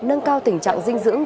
nâng cao tình trạng dinh dưỡng